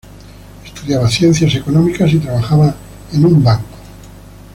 Estudiaba Ciencias Económicas y trabajaba en en un banco.